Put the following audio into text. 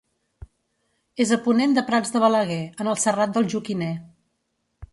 És a ponent de Prats de Balaguer, en el Serrat del Joquiner.